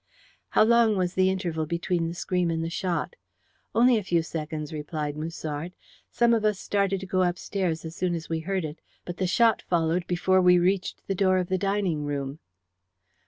"How long was the interval between the scream and the shot?" "Only a few seconds," replied Musard. "Some of us started to go upstairs as soon as we heard it, but the shot followed before we reached the door of the dining room."